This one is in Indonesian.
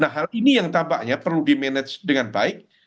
nah hal ini yang tampaknya perlu di manage dengan baik